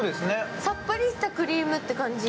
さっぱりしたクリームって感じ。